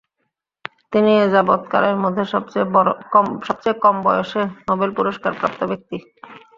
তিনি এযাবৎকালের মধ্যে সবচেয়ে কম বয়সে নোবেল পুরস্কারপ্রাপ্ত ব্যক্তি।